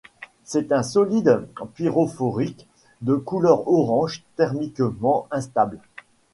C'est un solide pyrophorique de couleur orange thermiquement instable.